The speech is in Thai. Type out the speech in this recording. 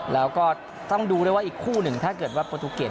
แล้วก็ต้องดูด้วยว่าอีกคู่หนึ่งถ้าเกิดว่าโปรตูเกต